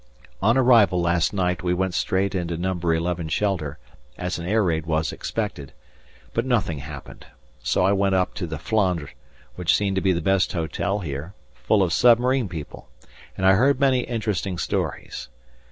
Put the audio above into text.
On arrival last night we went straight into No. 11 shelter, as an air raid was expected, but nothing happened, so I went up to the "Flandre," which seems to be the best hotel here, full of submarine people, and I heard many interesting stories.